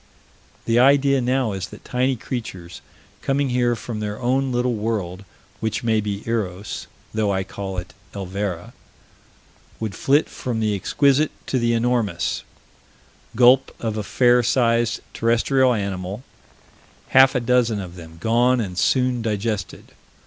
The idea now is that tiny creatures coming here from their own little world, which may be Eros, though I call it Elvera, would flit from the exquisite to the enormous gulp of a fair sized terrestrial animal half a dozen of them gone and soon digested.